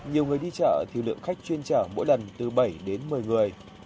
nhiều người đi chợ thì lượng khách chuyên chở mỗi lần từ bảy đến một mươi người